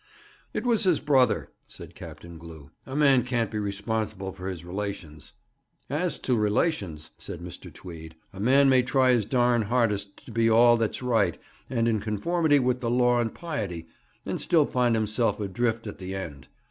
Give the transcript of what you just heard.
'It was his brother,' said Captain Glew. 'A man can't be responsible for his relations.' 'As to relations,' said Mr. Tweed, 'a man may try his darned hardest to be all that's right, and in conformity with the law and piety, and still find himself adrift at the end.